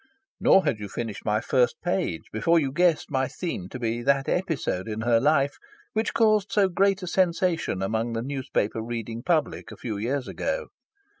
Nor had you finished my first page before you guessed my theme to be that episode in her life which caused so great a sensation among the newspaper reading public a few years ago.